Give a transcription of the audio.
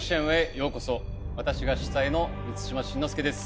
ようこそ私が主宰の満島真之介です